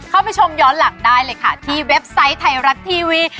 เข้าไปชมย้อนหลังได้เลยค่ะที่เว็บไซต์ไทยรัฐทีวี